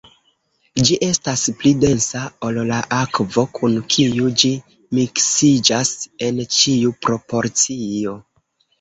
Ĝi estas pli densa ol la akvo, kun kiu ĝi miksiĝas en ĉiu proporcio.